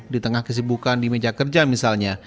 di tengah kesibukan di meja kerja misalnya